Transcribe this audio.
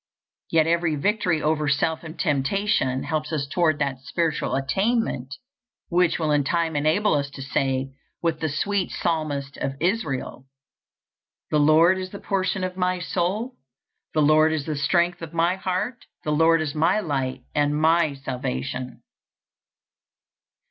Yet every victory over self and temptation helps us toward that spiritual attainment which will in time enable us to say, with the sweet psalmist of Israel: "The Lord is the portion of my soul; the Lord is the strength of my heart; the Lord is my light and my salvation."